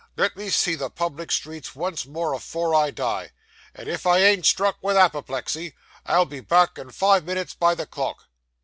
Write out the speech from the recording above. Let me see the public streets once more afore I die; and if I ain't struck with apoplexy, I'll be back in five minits by the clock."